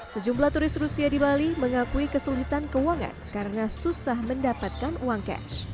sejumlah turis rusia di bali mengakui kesulitan keuangan karena susah mendapatkan uang cash